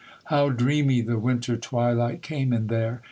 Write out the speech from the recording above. How dreamy the winter twilight came in there!